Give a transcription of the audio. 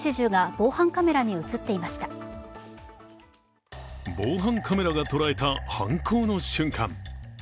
防犯カメラが捉えた犯行の瞬間。